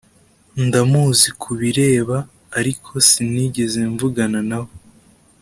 Ndamuzi kubireba ariko sinigeze mvugana nawe